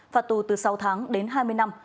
phạt tù từ sáu tháng đến hai mươi năm